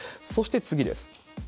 そして次です。